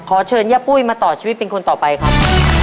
เชิญย่าปุ้ยมาต่อชีวิตเป็นคนต่อไปครับ